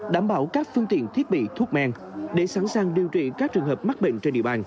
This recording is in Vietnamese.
đảm bảo các phương tiện thiết bị thuốc men để sẵn sàng điều trị các trường hợp mắc bệnh trên địa bàn